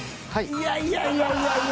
いやいやいやいやいや。